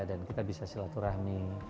dan kita bisa silaturahmi